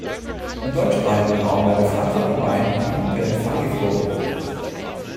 Im deutschsprachigen Raum werden Frankfurt am Main, Wien und Genf angeflogen.